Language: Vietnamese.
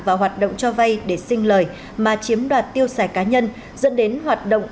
vào hoạt động cho vay để xin lời mà chiếm đoạt tiêu sẻ cá nhân dẫn đến hoạt động